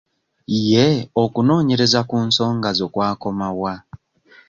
Ye okunoonyerza ku nsonga zo kwakoma wa?